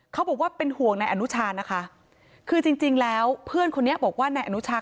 เขาบอกว่าเป็นห่วงนายอนุชานะคะคือจริงจริงแล้วเพื่อนคนนี้บอกว่านายอนุชา